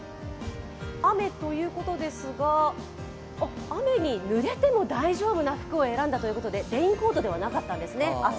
雨ということですが、雨に濡れても大丈夫な服を選んだということで朝、昼まではレインコートではなかったんですね。